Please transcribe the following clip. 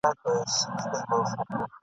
د جګړې په ډګر کي خلک خپل جرأت ښکاره کوي.